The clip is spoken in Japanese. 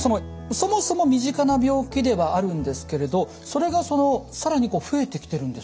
そもそも身近な病気ではあるんですけれどそれが更に増えてきてるんですね。